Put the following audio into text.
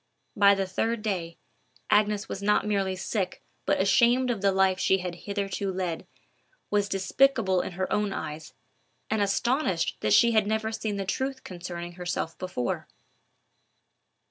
By the third day, Agnes was not merely sick but ashamed of the life she had hitherto led, was despicable in her own eyes, and astonished that she had never seen the truth concerning herself before.